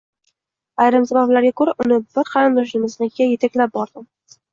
Ayrim sabablarga ko`ra, uni bir qarindoshimiznikiga etaklab bordim